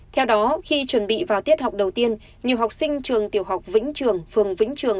theo đó khi chuẩn bị vào tiết học đầu tiên nhiều học sinh trường tiểu học vĩnh trường phường vĩnh trường